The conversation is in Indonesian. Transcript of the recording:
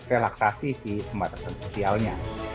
relaksasi si pembatasan sosialnya